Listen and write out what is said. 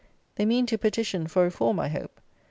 They mean to petition for Reform, I hope.